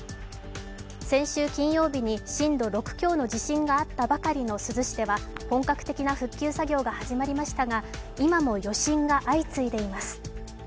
先週金曜日に震度６強の地震があった珠洲市では本格的な復旧作業が始まりましたが今も余震が相次いでいます。